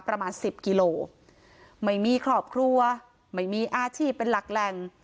ประมาณสิบกิโลไม่มีครอบครัวไม่มีอาชีพเป็นหลักแหล่ง